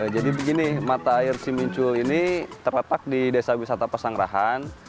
jadi begini mata air cimincul ini terletak di desa wisata pesanggrahan